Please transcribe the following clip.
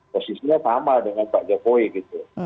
posisinya sama dengan pak jokowi gitu